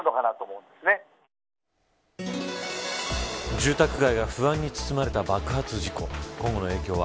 住宅街が不安に包まれた爆発事故今後の影響は。